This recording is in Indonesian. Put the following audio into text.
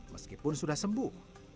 meskipun sudah sembuh